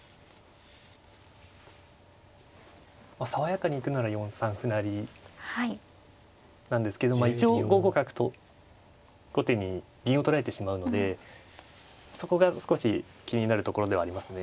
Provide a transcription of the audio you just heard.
爽やかに行くなら４三歩成なんですけど一応５五角と後手に銀を取られてしまうのでそこが少し気になるところではありますね。